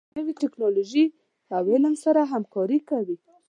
دا پروژه د نوي ټکنالوژۍ او علم سره همکاري کوي.